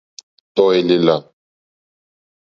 Tɔ̀ èlèlà.